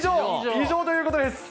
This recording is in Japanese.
以上ということです。